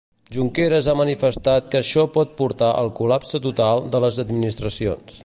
Junqueras ha manifestat que això pot portar al "col·lapse total" de les administracions.